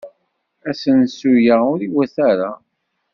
Asensu-a ur iwata ara.